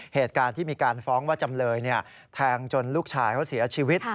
เหตุการณ์ที่มีการฟ้องว่าจำเลยแทงจนลูกชายเขาเสียชีวิต